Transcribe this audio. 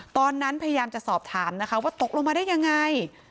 พยายามจะสอบถามนะคะว่าตกลงมาได้ยังไง